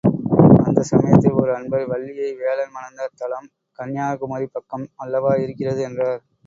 அந்தச் சமயத்தில் ஒரு அன்பர், வள்ளியை வேலன் மணந்த தலம், கன்னியாகுமரிப் பக்கம் அல்லவா இருக்கிறது என்றார்.